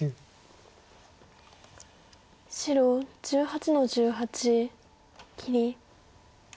白１８の十八切り。